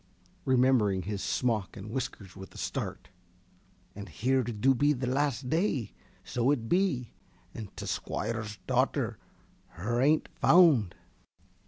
(Remembering his smock and whiskers with a start.) And here du be the last day, zo it be, and t' Squoire's daughter, her ain't found.